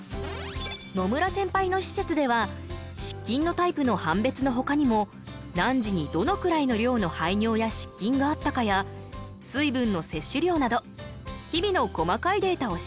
野村センパイの施設では失禁のタイプの判別のほかにも何時にどのくらいの量の排尿や失禁があったかや水分の摂取量など日々の細かいデータを収集。